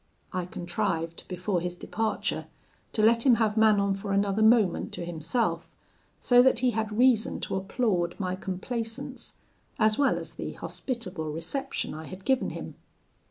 I contrived, before his departure, to let him have Manon for another moment to himself; so that he had reason to applaud my complaisance, as well as the hospitable reception I had given him.